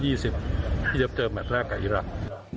ที่จะเจอแมตรแรกกับอิรันด์